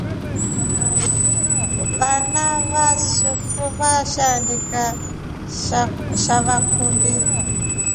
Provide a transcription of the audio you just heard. Vana va sufru veshaandika shi kande.